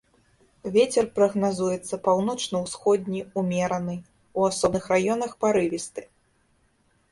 Вецер прагназуецца паўночна-ўсходні ўмераны, у асобных раёнах парывісты.